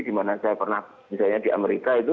di mana saya pernah misalnya di amerika itu